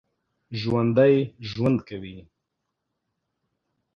ژوندي ژوند کوي